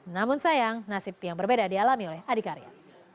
namun sayang nasib yang berbeda dialami oleh adik karya